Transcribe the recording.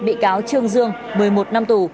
bị cáo trương dương một mươi một năm tù